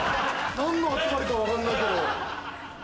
何の集まりか分かんないけど。